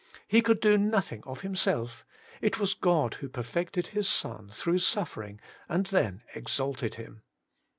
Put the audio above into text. He could do nothing of Himself. It was God who perfected EQs Son through suffering and then exalted Him.